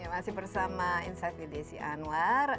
masih bersama insight with desi anwar